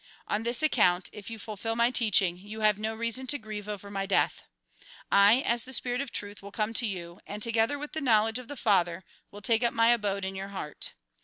On this account, if you fulfil my teaching, you have no reason to grieve over my death. I, as the spirit of truth, will come to you, and, together with the knowledge of the Father, will take up my abode in your heart.